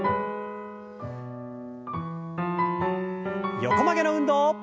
横曲げの運動。